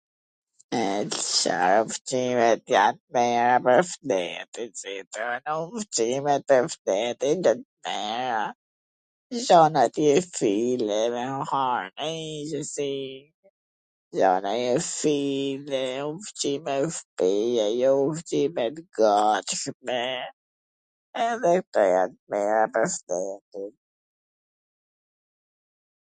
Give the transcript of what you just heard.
E Ca ushqime jan t mira pwr shnetin, si thon ... Ushqimet e shnetit jan t mira, gjen aty .... ushqime shpije, jo ushqime t gatshme, edhe kto jan t mira pwr shnetin.